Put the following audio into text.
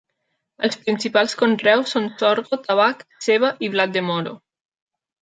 Els principals conreus són sorgo, tabac, ceba i blat de moro.